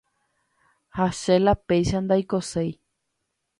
ha che la péicha ndaikoséi